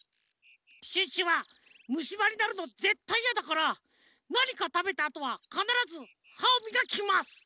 シュッシュはむしばになるのぜったいやだからなにかたべたあとはかならずはをみがきます。